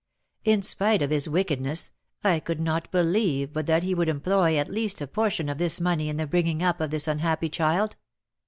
In spite of his wickedness, I could not believe but that he would employ, at least, a portion of this money in the bringing up of this unhappy child."